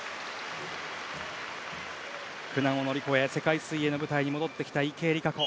苦難を乗り越え世界水泳の舞台に戻ってきた池江璃花子。